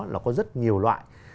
là có rất nhiều loại